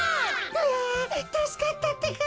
あたすかったってか。